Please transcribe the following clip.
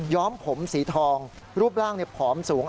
้อมผมสีทองรูปร่างผอมสูง